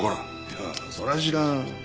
いやそら知らん。